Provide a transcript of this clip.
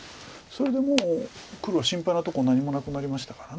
それでもう黒は心配なとこ何もなくなりましたから。